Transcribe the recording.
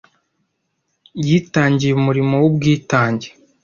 Yitangiye umurimo w'ubwitange.